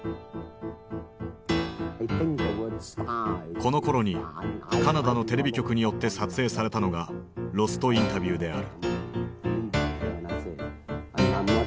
このころにカナダのテレビ局によって撮影されたのが「ロスト・インタビュー」である。